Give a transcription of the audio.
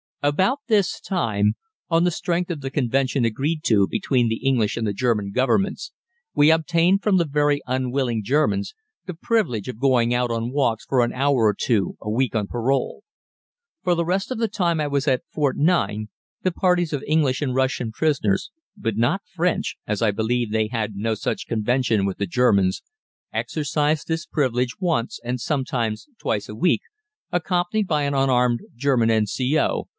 About this time, on the strength of the convention agreed to between the English and the German governments, we obtained from the very unwilling Germans the privilege of going on walks for an hour or two a week on parole. For the rest of the time I was at Fort 9 the parties of English and Russian prisoners, but not French, as I believe they had no such convention with the Germans, exercised this privilege once and sometimes twice a week, accompanied by an unarmed German N.C.O.